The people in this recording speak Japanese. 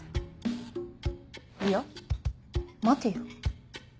いや待てよ。